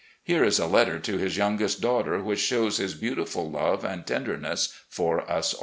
Here is a letter to his youngest daughter which shows his beautiful love and tenderness for us aU.